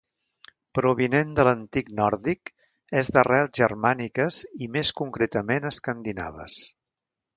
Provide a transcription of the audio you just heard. Provinent de l'antic nòrdic, és d'arrels germàniques i més concretament escandinaves.